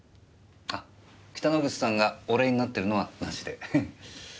あ北之口さんが俺になっているのは無しで。